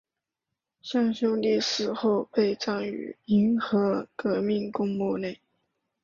向秀丽死后被葬于银河革命公墓内。